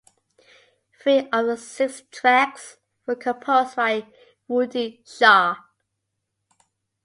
Three of the six tracks were composed by Woody Shaw.